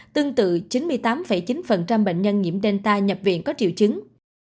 tương tự chín mươi tám chín bệnh nhân nhiễm delta nhập viện có triệu chứng